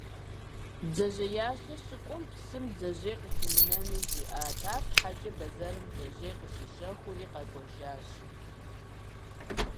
Бдзэжьеящэ щыкӏуэм, псым бдзэжьей къыхимынэну жиӏат, арщхьэкӏэ бэзэрым бдзэжьей къыщищэхури кӏуэжащ.